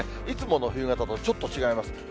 いつもの冬型とちょっと違います。